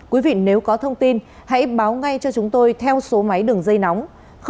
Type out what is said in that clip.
quý vị nếu có thông tin hãy báo ngay cho chúng tôi theo số máy đường dây nóng